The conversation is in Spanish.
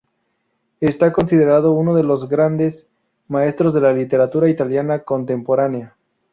Está considerado uno de los grandes maestros de la literatura italiana contemporánea.